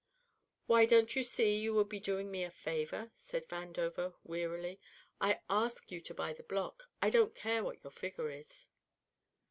"Why, don't you see you would be doing me a favour?" said Vandover wearily. "I ask you to buy the block. I don't care what your figure is!"